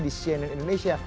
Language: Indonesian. di cnn indonesia